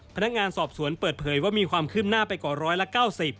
พนักงานสอบสวนเปิดเผยว่ามีความคืบหน้าไปกว่าร้อยละ๙๐